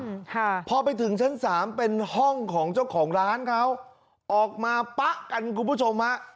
ค่ะพอไปถึงชั้นสามเป็นห้องของเจ้าของร้านเขาออกมาปะกันคุณผู้ชมฮะ